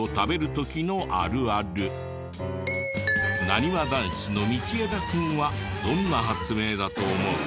なにわ男子の道枝君はどんな発明だと思う？